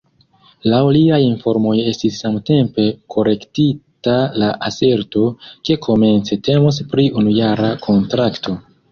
Laŭ liaj informoj estis samtempe korektita la aserto, ke komence temus pri unujara kontrakto.